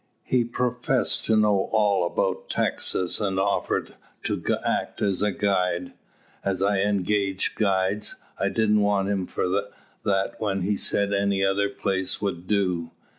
He professed to know all about Texas, and offered to act as a guide. As I had engaged guides, I didn't want him for that when he said any other place would do.